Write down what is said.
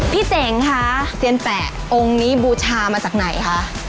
เจ๋งคะเซียนแปะองค์นี้บูชามาจากไหนคะ